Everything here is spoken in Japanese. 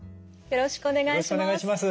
よろしくお願いします。